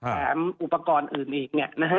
แถมอุปกรณ์อื่นอีก